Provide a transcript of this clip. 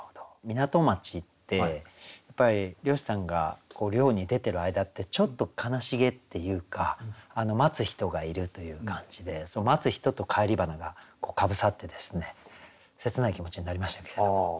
港町ってやっぱり漁師さんが漁に出てる間ってちょっと悲しげっていうか待つ人がいるという感じで待つ人と「返り花」がかぶさってですね切ない気持ちになりましたけれども。